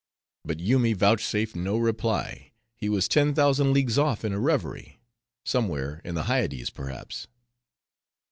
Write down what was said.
But Yoomy vouchsafed no reply, he was ten thousand leagues off in a reverie: somewhere in the Hyades perhaps.